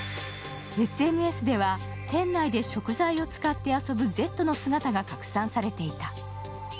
ＳＮＳでは、店内で食材を使って遊ぶＺの姿が拡散されていた。